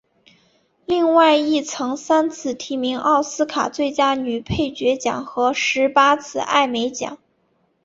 另外亦曾三次提名奥斯卡最佳女配角奖和十八次艾美奖。